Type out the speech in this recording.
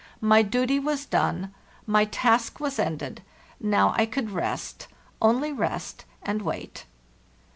My duty was done; my task was ended; now I could rest, only rest and wait.